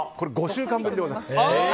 ５週間ぶりでございます。